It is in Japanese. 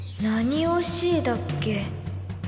何惜しいだっけ？